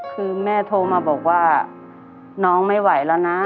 คือแม่โทรมาบอกว่าน้องไม่ไหวแล้วนะ